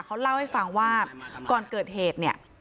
เขาเล่าให้ฟังว่าก่อนเกิดเหตุเนี่ย